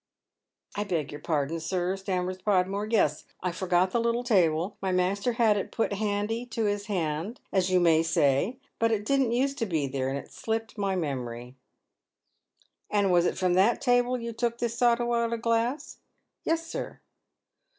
" I beg your pardon, sir," stammers Podmore. " Yes, I forgot the little table ; my master had it put handy to his hand, as you may say. But it didn't use to be there, and it slipped my memory." SOS Dead Men's SJioes. " And was it from that table you took this soda water glass ?*" Yes, sir."